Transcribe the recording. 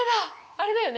あれだよね！